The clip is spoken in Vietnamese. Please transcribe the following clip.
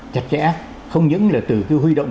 chặt chẽ không những là từ cái huy động